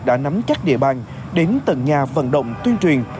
đã nắm chắc địa bàn đến tận nhà vận động tuyên truyền